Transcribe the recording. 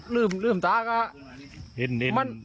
เลื่อมต่างจาก